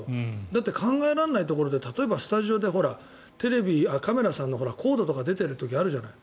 だって考えられないところで例えば、スタジオでテレビ、カメラさんのコードとか出ている時があるじゃない。